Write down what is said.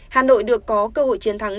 hà nội được có cơ hội chiến thắng